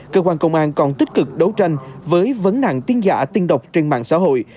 cơ quan công an còn tích cực đấu tranh với vấn nạn tin giả tin độc trên mạng xã hội